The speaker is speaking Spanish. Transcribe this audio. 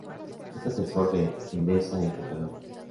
Es asesor de Endesa en Cataluña.